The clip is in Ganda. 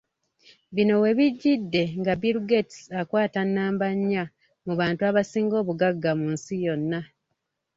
Bino webijjidde nga Bill Gates akwata nnamba nya mu bantu abasinga obugagga mu nsi yonna .